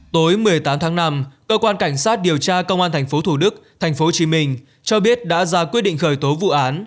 tối một mươi tám tháng năm cơ quan cảnh sát điều tra công an tp thủ đức tp hcm cho biết đã ra quyết định khởi tố vụ án